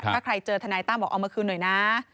หมีโจรสก็จะรอเพื่อห่ายเจอธนายตั้มบอกเอามาคืนหน่อยนะ